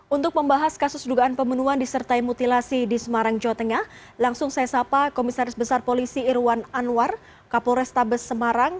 untuk membahas kasus dugaan pemenuhan disertai mutilasi di semarang jawa tengah langsung saya sapa komisaris besar polisi irwan anwar kapolres tabes semarang